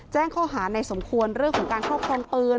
แจ้งข้อหาในสมควรเรื่องของการครอบครองปืน